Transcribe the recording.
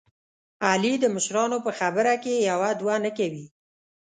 علي د مشرانو په خبره کې یوه دوه نه کوي.